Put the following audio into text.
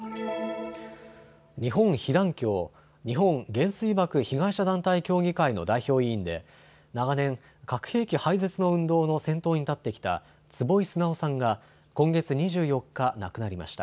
日本被団協・日本原水爆被害者団体協議会の代表委員で長年、核兵器廃絶の運動の先頭に立ってきた坪井直さんが今月２４日、亡くなりました。